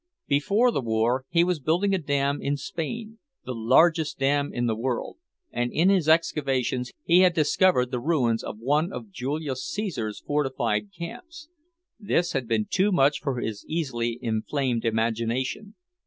Before the war he was building a dam in Spain, "the largest dam in the world," and in his excavations he had discovered the ruins of one of Julius Caesar's fortified camps. This had been too much for his easily inflamed imagination.